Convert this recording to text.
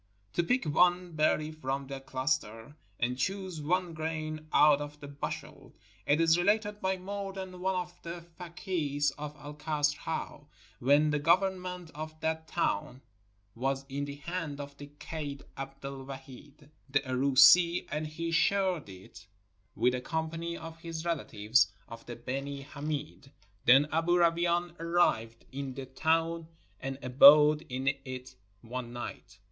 To pick one berry from the cluster, and choose one grain out of the bushel, it is related by more than one of the fakeehs of Al Kasr how, when the government of that town was in the hand of the Kaid Abd el Wahid the Aroosee, and he shared it 313 NORTHERN AFRICA with a company of his relatives of the Benee Hameed, then Aboo Rawain arrived in the town and abode in it one night.